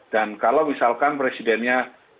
dan kalau misalkan presidennya